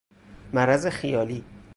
مرض خیالی